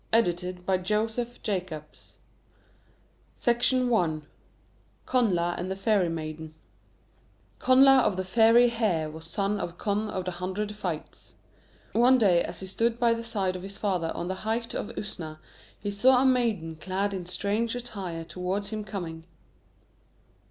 J. C. Drummond & Co.) CELTIC FAIRY TALES Connla and the Fairy Maiden Connla of the Fiery Hair was son of Conn of the Hundred Fights. One day as he stood by the side of his father on the height of Usna, he saw a maiden clad in strange attire towards him coming.